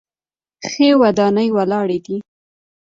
ښې ودانۍ ولاړې دي.